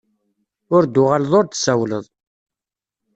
Ur d-tuɣaleḍ ur d-tsawleḍ.